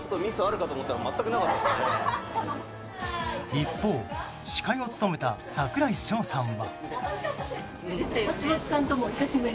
一方、司会を務めた櫻井翔さんは。